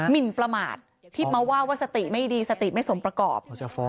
มินประมาทที่มาว่าว่าสติไม่ดีสติไม่สมประกอบ